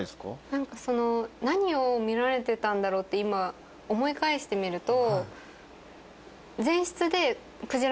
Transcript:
何を見られてたんだろうって今思い返してみると。